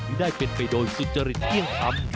ไม่ได้เป็นไปโดยสุจริงเกี่ยงคำ